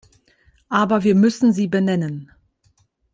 Aber wir müssen sie benennen.